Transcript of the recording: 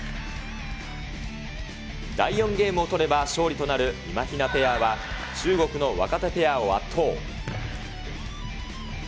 第４ゲームを取れば勝利となるみまひなペアは中国の若手ペアを圧倒。